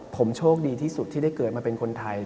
ผมโชคดีที่สุดที่ได้เกิดมาเป็นคนไทย